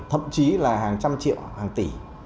thậm chí là hàng trăm triệu hàng tỷ